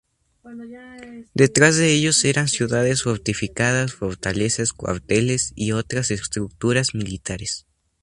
Detrás de ellos eran ciudades fortificadas, fortalezas, cuarteles y otras estructuras militares.